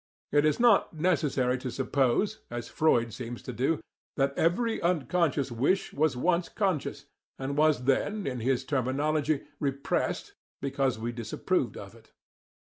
It is not necessary to suppose, as Freud seems to do, that every unconscious wish was once conscious, and was then, in his terminology, "repressed" because we disapproved of it.